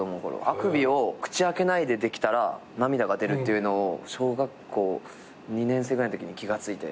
あくびを口開けないでできたら涙が出るっていうのを小学校２年生ぐらいのときに気が付いて。